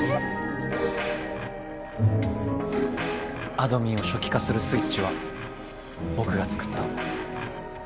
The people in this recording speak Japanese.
あどミンをしょきかするスイッチはぼくが作った。